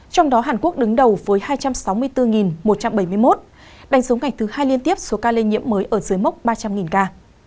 trong đó hàn quốc đứng đầu với hai trăm sáu mươi bốn một trăm bảy mươi một đánh số ngày thứ hai liên tiếp số ca lây nhiễm mới ở dưới mốc ba trăm linh ca